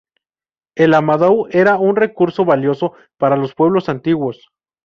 El Amadou era un recurso valioso para los pueblos antiguos.